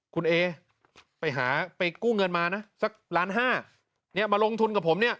คุณเอไปหาไปกู้เงินมานะสักล้านห้าเนี่ยมาลงทุนกับผมเนี่ย